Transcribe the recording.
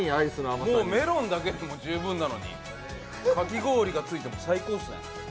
メロンだけでも十分なのにかき氷がついても最高ですね。